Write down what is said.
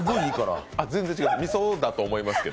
全然違う、みそだと思いますよ。